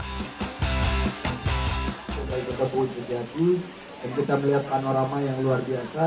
kita ikut ke buun sejati dan kita melihat panorama yang luar biasa